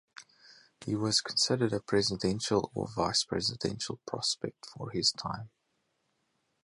He was considered a presidential or vice-presidential prospect for a time.